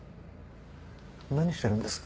何してるんです？